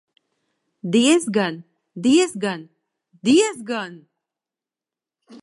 Diezgan, diezgan, diezgan!